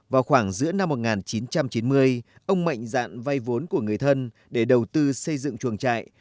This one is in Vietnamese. vào khoảng giữa năm một nghìn chín trăm chín mươi ông mệnh dạng vai vốn của người thân để đầu tư xây dựng chuồng trại